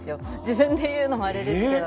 自分で言うのもあれですけど。